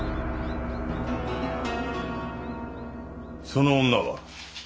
その女は？